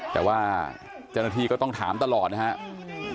แต่ว่าเจ้าหน้าที่ก็ต้องถามตลอดนะครับ